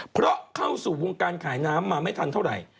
เพราะเข้าสู่วงการขายน้ำมาไม่ทันเท่าไหร่